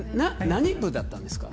何部だったんですか。